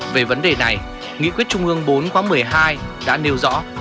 về vấn đề này nghị quyết trung ương bốn khóa một mươi hai đã nêu rõ